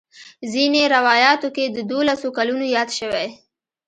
ځینې روایاتو کې د دولسو کلونو یاد شوی.